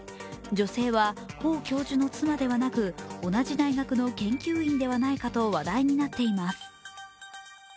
女性は方教授の妻ではなく同じ大学の研究員ではないかと話題になっています。